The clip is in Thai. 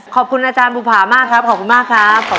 ขอบคุณอาจารย์บุภามากครับขอบคุณมากครับ